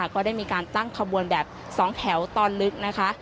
ก็ได้มีการตั้งขบวนแบบ๒แถวตอนลึกนะคะ